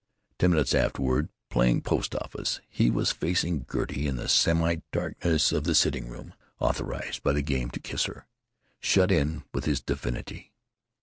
Ten minutes afterward, playing "post office," he was facing Gertie in the semi darkness of the sitting room, authorized by the game to kiss her; shut in with his divinity.